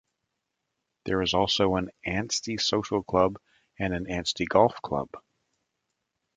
There is also an Ansty Social Club and an Ansty Golf Club.